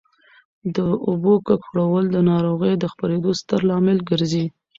د اوبو ککړول د ناروغیو د خپرېدو ستر لامل ګرځي.